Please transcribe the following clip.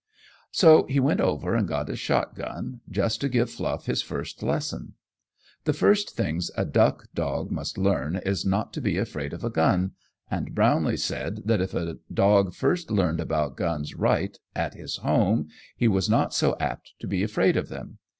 So he went over and got his shotgun, just to give Fluff his first lesson. The first thing a duck dog must learn is not to be afraid of a gun, and Brownlee said that if a dog first learned about guns right at his home he was not so apt to be afraid of them.